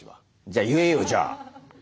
じゃ言えよじゃあ。